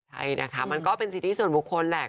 ใช่นะคะมันก็เป็นสิทธิส่วนบุคคลแหละ